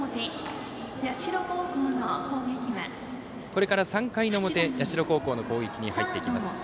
これから３回表、社高校の攻撃に入っていきます。